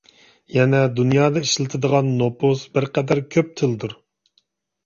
يەنە دۇنيادا ئىشلىتىدىغان نوپۇس بىرقەدەر كۆپ تىلدۇر.